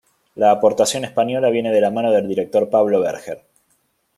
La aportación española viene de la mano del director Pablo Berger.